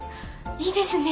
いいですね！